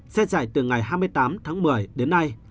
xe chạy từ ngày hai mươi tám tháng một mươi đến nay